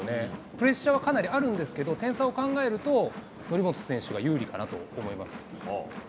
プレッシャーはかなりあるんですけど、点差を考えると、則本選手が有利かなと思います。